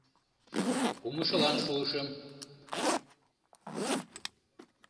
Кумшылан шуышым.